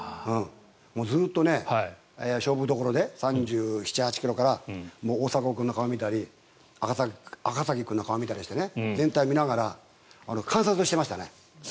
ずっと勝負どころで３７３８ｋｍから大迫君の顔を見たり赤崎君の顔を見たりして全体を見ながら観察してました。